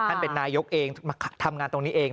เป็นนายกเองมาทำงานตรงนี้เอง